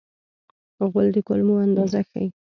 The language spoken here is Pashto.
غول د کولمو اندازه ښيي.